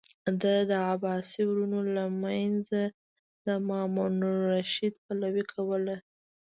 ده د عباسي ورونو له منځه د مامون الرشید پلوي کوله.